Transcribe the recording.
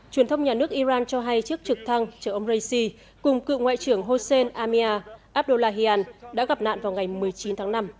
truyền thông nhà nước iran cho hay chiếc trực thăng chở ông raisi cùng cựu ngoại trưởng hossein amia abdullahian đã gặp nạn vào ngày một mươi chín tháng năm